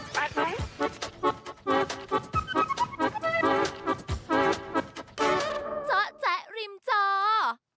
จ๊อจ๊ะริมจอร์